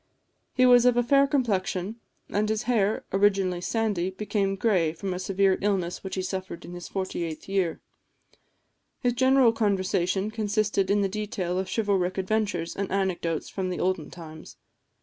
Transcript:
He was of a fair complexion; and his hair, originally sandy, became gray from a severe illness which he suffered in his 48th year. His general conversation consisted in the detail of chivalric adventures and anecdotes of the olden times.